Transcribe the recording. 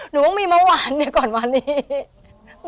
หนูเพิ่งมีเมื่อวานเนี่ยก่อนวันนี้